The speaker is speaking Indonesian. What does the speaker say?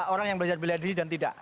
orang yang belajar bela diri dan tidak